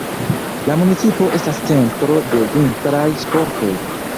La municipo estas centro de vintraj sportoj.